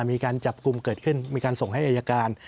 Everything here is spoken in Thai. มีการจับกลุ่มเกิดขึ้นมีการส่งให้อายการ